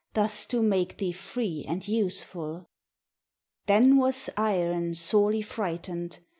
Thus to make thee free and useful?" Then was Iron sorely frightened.